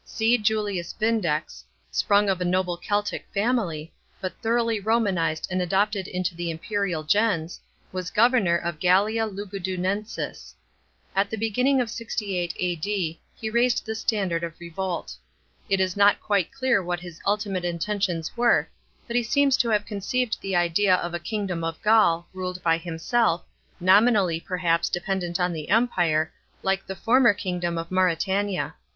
C. Julius Vindex, sprung of a noble Celtic family, but thoroughly Romanised and adopted into the imperial ^ens, was governor of Gallia Lugudunensis. At the beginning of 68 A.D , he raised the standard of revolt. It is not quite clear what his ultimate inten tions were, but he seems to have conceived the idea of a kingdom of Gaul, ruled by himself, nominally perhaps dependent on the Empire, like the former kingdom of Mauretania.